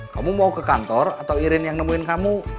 kamu mau ke kantor atau irin yang nemuin kamu